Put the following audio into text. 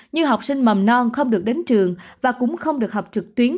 như học sinh mầm non không được đến trường và cũng không được học trực tuyến